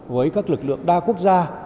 với các lực lượng đa quốc gia